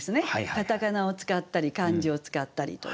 片仮名を使ったり漢字を使ったりと。